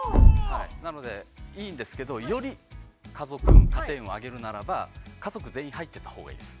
なので、いいんですけどより家族運、家庭運を上げるならば家族全員入ってたほうがいいです。